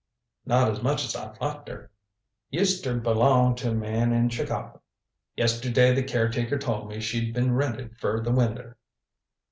"Not as much as I'd like ter. Used ter belong to a man in Chicago. Yesterday the caretaker told me she'd been rented fer the winter.